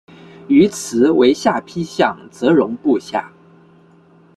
于兹为下邳相笮融部下。